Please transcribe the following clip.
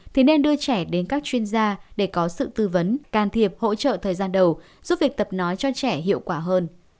thì nên đưa trẻ đến các chuyên gia để có sự tư vấn can thiệp hỗ trợ thời gian đầu giúp việc tập nói cho trẻ hiệu quả hơn